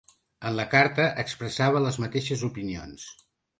En la carta, expressava les mateixes opinions.